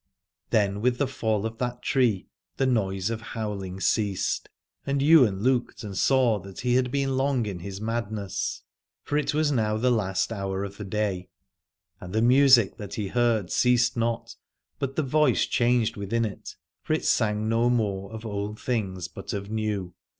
Then with the fall of that tree the noise of howling ceased, and Ywain looked and s^.w that he had been long in his madness, 142 Aladore for it was now the last hour of the day. And the music that he heard ceased not, but the voice changed within it : for it sang no more of old things but of new.